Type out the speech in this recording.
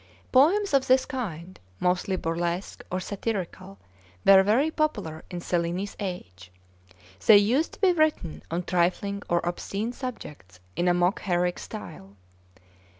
Poems of this kind, mostly burlesque or satirical, were very popular in Cellini's age. They used to be written on trifling or obscene subjects in a mock heroic style.